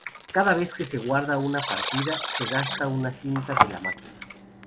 Cada vez que se guarda una partida, se gasta una cinta de la máquina.